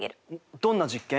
どんな実験？